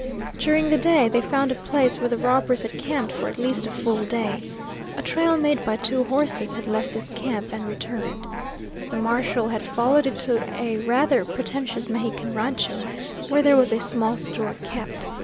During the day they found a place where the robbers had camped for at least a full day. A trail made by two horses had left this camp, and returned. The marshal had followed it to a rather pretentious Mexican rancho, where there was a small store kept.